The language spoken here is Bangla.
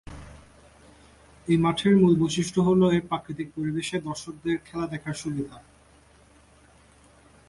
এই মাঠের মূল বৈশিষ্ট্য হল এর প্রাকৃতিক পরিবেশে দর্শকদের খেলা দেখার সুবিধা।